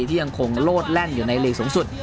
ที่ยังคงโลดแล่นอยู่ในลีกสูงสุด